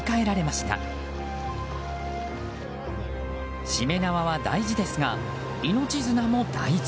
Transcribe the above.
しめ縄は大事ですが、命綱も大事。